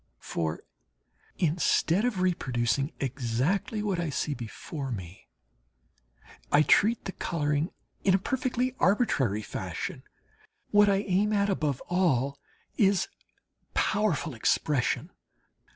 For, instead of reproducing exactly what I see before me, I treat the colouring in a perfectly arbitrary fashion. What I aim at above all is powerful expression.